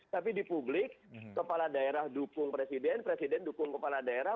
tapi di publik kepala daerah dukung presiden presiden dukung kepala daerah